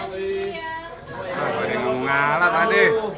woi yang di depan